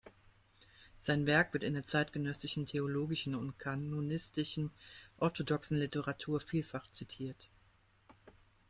Sein Werk wird in der zeitgenössischen theologischen und kanonistischen orthodoxen Literatur vielfach zitiert.